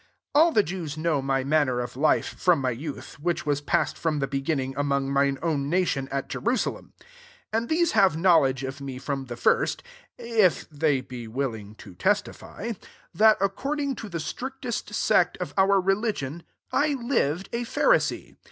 4 "All the Jews know my manner of life from my youth, which was passed from the be ginning among mine own na tion at Jerusalem : 5 and these have knowledge, of me from the first, (if they be willing to testify,) that according to the strictest sect of our religion, I lived a Pharisee.